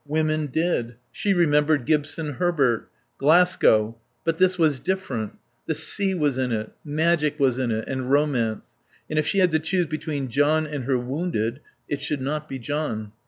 Women did. She remembered Gibson Herbert. Glasgow.... But this was different. The sea was in it, magic was in it and romance. And if she had to choose between John and her wounded it should not be John.